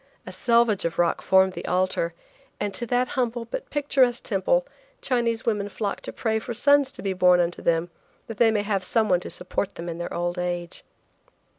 A selvage of rock formed the altar, and to that humble but picturesque temple Chinese women flock to pray for sons to be born unto them that they may have some one to support them in their old age.